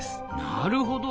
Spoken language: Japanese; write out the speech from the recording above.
なるほど。